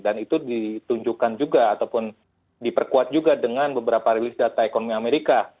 dan itu ditunjukkan juga ataupun diperkuat juga dengan beberapa rilis data ekonomi amerika